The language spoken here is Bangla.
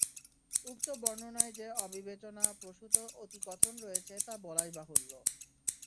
উক্ত বর্ণনায় যে অবিবেচনা প্রসূত অতিকথন রয়েছে তা বলাই বাহুল্য।